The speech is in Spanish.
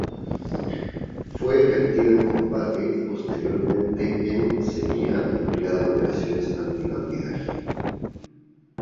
Fue efectiva en combate y posteriormente en sería empleada en operaciones anti-bandidaje.